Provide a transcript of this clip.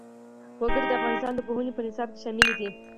وګړي د افغانستان د پوهنې په نصاب کې هم شامل دي.